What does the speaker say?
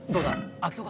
開きそうか？